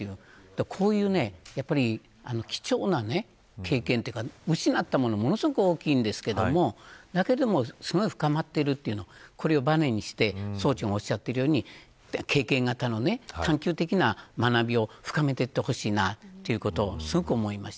こういう貴重な経験というか失ったものは大きいんですけどだけれどもすごく深まっているというのをばねにして総長がおっしゃっているように経験が他の探究的な学びを深めていってほしいと、すごく思いました。